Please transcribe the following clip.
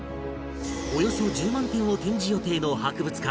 およそ１０万点を展示予定の博物館